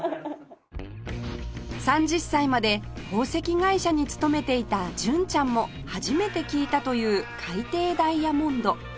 ３０歳まで宝石会社に勤めていた純ちゃんも初めて聞いたという海底ダイヤモンド